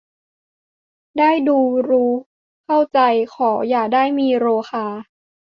ได้ดูรู้เข้าใจ ขออย่าได้มีโรคา